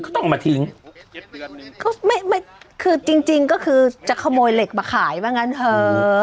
ก็ต้องเอามาทิ้งคือจริงจริงก็คือจะขโมยเหล็กมาขายบ้างงั้นเถอะ